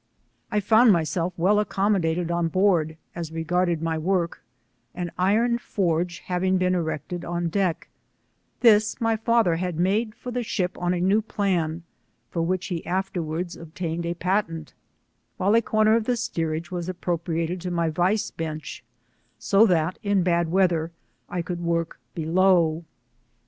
I found myself well accommo dated on board as regarded my work, an iron forge Slaving been erected on deck ; this my father had made for the ship on a new plan, for which he afterwards obtained a patent ; while a corner of the steerage was appropriated to my vice bench, so that in bad weather I could work below.